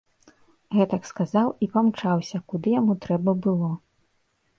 Гэтак сказаў і памчаўся, куды яму трэба было.